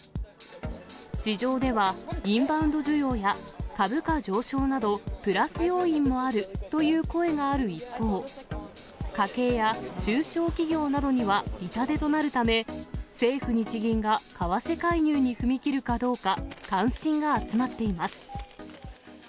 市場では、インバウンド需要や株価上昇など、プラス要因もあるという声がある一方、家計や中小企業などには痛手となるため、政府・日銀が為替介入に踏み切るかどうか、関心が集まっています。